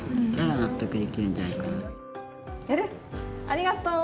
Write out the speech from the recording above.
ありがとう。